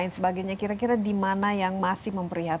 sekarang yang masih